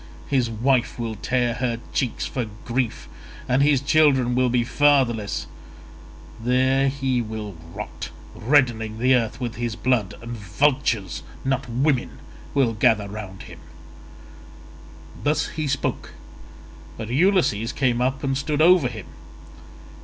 His wife will tear her cheeks for grief and his children will be fatherless: there will he rot, reddening the earth with his blood, and vultures, not women, will gather round him." Thus he spoke, but Ulysses came up and stood over him.